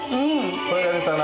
声が出たな。